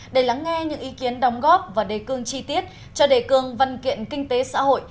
để lắng nghe những ý kiến đóng góp và đề cương chi tiết cho đề cương văn kiện kinh tế xã hội